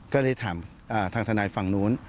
ก็เลยถามทางทนายฝั่งนู้น